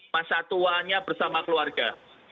masa tuanya bersama keluarga